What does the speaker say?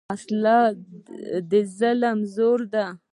وسله د ظلم زور ده